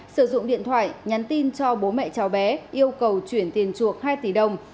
sử dụng điện thoại nhắn tin cho bố mẹ cháu bé yêu cầu chuyển tiền chuộc hai tỷ đồng